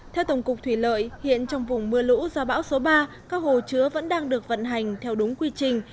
theo tổng cục thủy lợi hiện trong vùng mưa lũ do bão số ba các hồ chứa vẫn đang được vận hành theo đúng quy trình